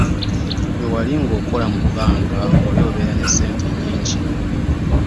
Wewali nga okola mu bbanka wali obeera ne ssente nnnnyingi.